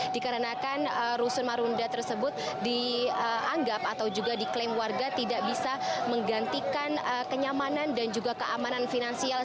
dikarenakan rusun marunda tersebut dianggap atau juga diklaim warga tidak bisa menggantikan kenyamanan dan juga keamanan finansial